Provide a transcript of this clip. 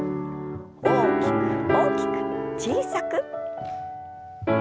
大きく大きく小さく。